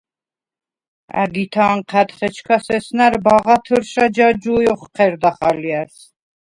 ა̈გითე ანჴა̈დხ, ეჩქას ესნა̈რ ბაღათჷრშა ჯაჯუ̄ჲ ოხჴერდახ ალჲა̈რს.